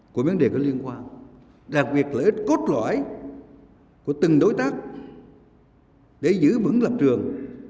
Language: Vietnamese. của vấn đề có liên quan làm việc lợi ích cốt loại của từng đối tác để giữ vững lập trường